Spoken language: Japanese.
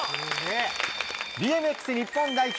ＢＭＸ日本代表